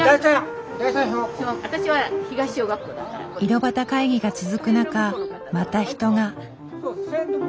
井戸端会議が続く中また人が。